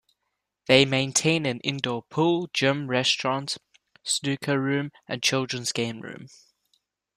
They maintain an indoor pool, gym, restaurant, snooker room, and children's game room.